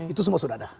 itu semua sudah ada